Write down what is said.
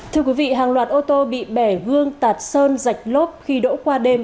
thưa quý vị hàng loạt ô tô bị bẻ gương tạt sơn dạch lốp khi đỗ qua đêm